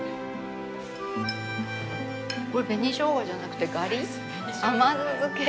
これ紅しょうがじゃなくてガリ甘酢漬け。